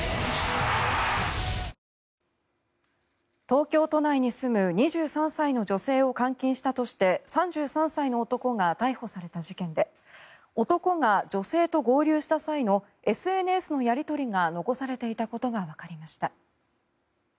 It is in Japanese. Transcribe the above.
東京都内に住む２３歳の女性を監禁したとして３３歳の男が逮捕された事件で男が女性と合流した際のＳＮＳのやり取りが残されていたことがわかりました。